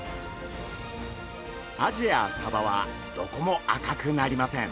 アジやサバはどこも赤くなりません。